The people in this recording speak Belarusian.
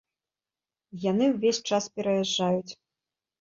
Яны ўвесь час пераязджаюць.